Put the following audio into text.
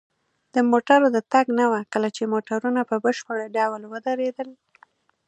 د موټرو د تګ نه وه، کله چې موټرونه په بشپړ ډول ودرېدل.